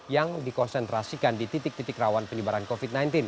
yang dikonsentrasikan di titik titik rawan penyebaran covid sembilan belas